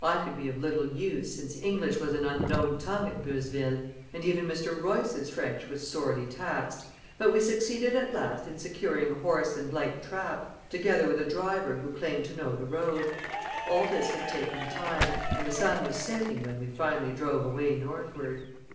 I could be of little use, since English was an unknown tongue at Beuzeville, and even Mr. Royce's French was sorely taxed, but we succeeded at last in securing a horse and light trap, together with a driver who claimed to know the road. All this had taken time, and the sun was setting when we finally drove away northward.